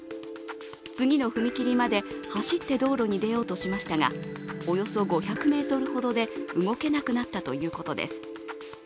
次の踏切まで走って道路に出ようとしましたがおよそ５００ｍほどで動けなくなったということです。